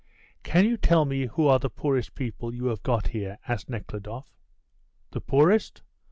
"Can you tell me who are the poorest people you have got here?" asked Nekhludoff. "The poorest?